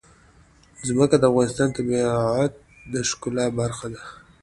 ځمکه د افغانستان د طبیعت د ښکلا برخه ده.